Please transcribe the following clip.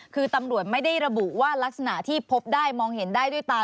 คือตำรวจไม่ได้ระบุว่ารักษณะที่พบได้มองเห็นได้ด้วยตา